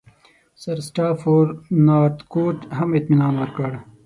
سرسټافورنارتکوټ هم اطمینان ورکړ.